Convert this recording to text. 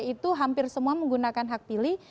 itu hampir semua menggunakan hak pilih